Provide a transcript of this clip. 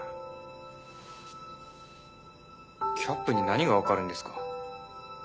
キャップに何がわかるんですか？